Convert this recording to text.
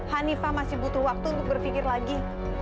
hanifah masih butuh waktu untuk berpikir lagi